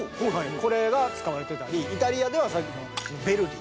これが使われてたりイタリアではさっきのヴェルディ。